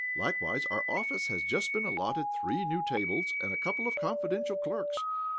Likewise, our office has just been allotted three new tables and a couple of confidential clerks.